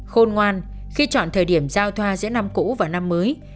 khôn ngoan khi chọn thời điểm giao thoa giữa năm cũ và năm mới